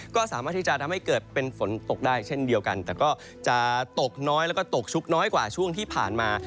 ก็สามารถที่จะทำให้เกิดเป็นฝนตกได้เช่นเดียวกันแต่ก็จะตกน้อยแล้วก็ตกชุกน้อยกว่าช่วงที่ผ่านมา